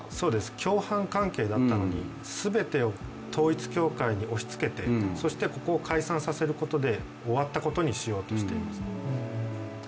共犯関係だったのに全てを統一教会に押しつけて、そしてここを解散させることで終わったことにしようとしていますね。